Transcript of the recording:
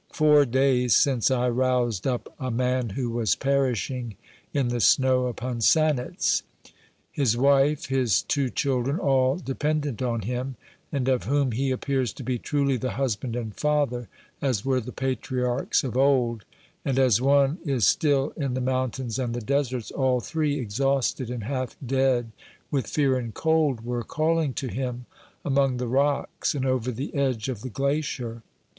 Four days since I roused up a man who was perishing in the snow upon Sanetz. His wife, his two children, all dependent on him, and of whom he appears to be truly the husband and father, as were the patriarchs of old, and as one is still in the mountains and the deserts, all three, exhausted and half dead with fear and cold, were calling to him among the rocks and over the edge of the glacier.